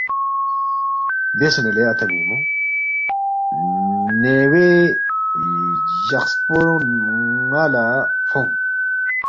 بیاسے نہ لے اتا مِنگمونگ، نَیوے جقسپو ن٘ا لہ فونگ